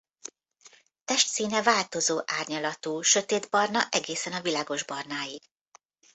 Testszíne változó árnyalatú sötétbarna egészen a világosbarnáig.